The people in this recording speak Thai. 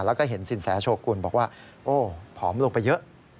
แล้วก็เห็นสินแสโชกุลบอกว่าโอ้ผอมลงไปเยอะ